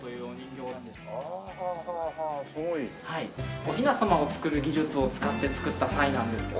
おひな様を作る技術を使って作ったサイなんですけど。